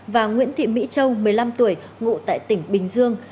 và nguyễn thị mỹ châu một mươi năm tuổi ngụ tại tỉnh bình dương